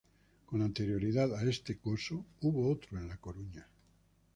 Con anterioridad a este coso, hubo otro en La Coruña.